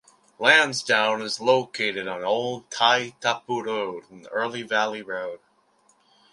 Lansdowne is located on Old Tai Tapu Road and Early Valley Road.